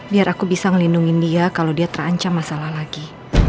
biar aku bisa melindungi dia kalau dia terancam masalah lagi